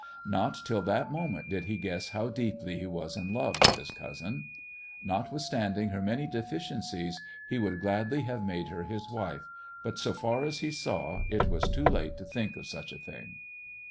Not till that moment did he guess how deeply he was in love with his cousin. Notwithstanding her many deficiencies, he would gladly have made her his wife, but so far as he saw it was too late to think of such a thing.